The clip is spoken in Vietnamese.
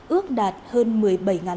ước đạt hơn một mươi bảy